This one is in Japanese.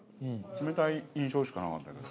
冷たい印象しかなかったけど。